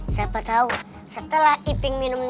siapa tahu setelah iping minum